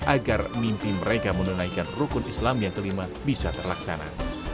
agar mimpi mereka menunaikan rukun islam yang kelima bisa terlaksana